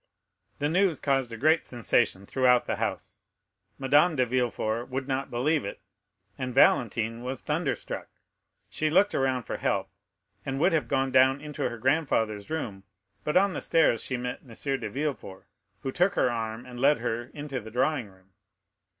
The news caused a great sensation throughout the house; Madame de Villefort would not believe it, and Valentine was thunderstruck. She looked around for help, and would have gone down to her grandfather's room, but on the stairs she met M. de Villefort, who took her arm and led her into the drawing room.